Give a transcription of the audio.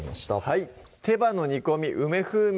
はい「手羽の煮込み梅風味」